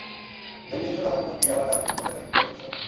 যে বিশেষ্য দ্বারা কোন ক্রিয়া বা কাজের নাম বোঝায় তাকে ক্রিয়া বিশেষ্য বলে।